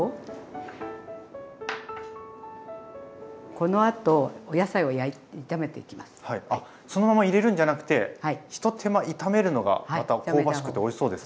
このあとあっそのまま入れるんじゃなくてひと手間炒めるのがまた香ばしくておいしそうですね。